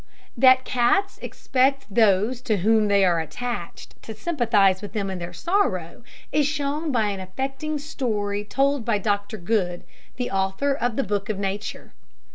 That cats expect those to whom they are attached to sympathise with them in their sorrow, is shown by an affecting story told by Dr Good, the author of the "Book of Nature."